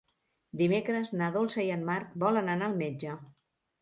Dimecres na Dolça i en Marc volen anar al metge.